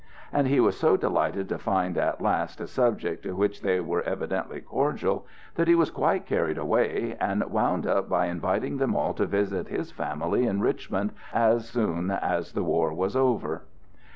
And he was so delighted to find at last a subject to which they were evidently cordial, that he was quite carried away, and would up by inviting them all to visit his family in Richmond, as soon as soon as the war was over.